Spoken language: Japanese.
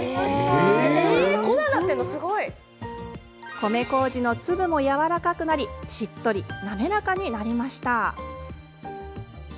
米こうじの粒もやわらかくなりしっとり滑らかになりました。